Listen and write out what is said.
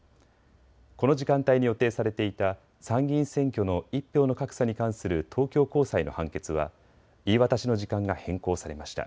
この時間帯に予定されていた参議院選挙の１票の格差に関する東京高裁の判決は言い渡しの時間が変更されました。